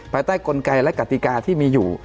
ภายใต้กลไกและกติกาที่มีอยู่